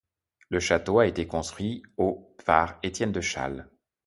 Le château a été construit au par Étienne de Challes.